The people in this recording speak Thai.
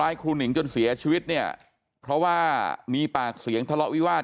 ครูหนิงจนเสียชีวิตเนี่ยเพราะว่ามีปากเสียงทะเลาะวิวาส